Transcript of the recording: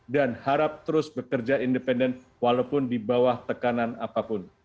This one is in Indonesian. dan harap terus bekerja independen walaupun di bawah tekanan apapun